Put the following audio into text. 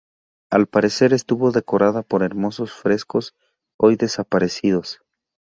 Al parecer estuvo decorada por hermosos frescos, hoy desaparecidos.